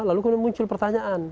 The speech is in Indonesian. lalu muncul pertanyaan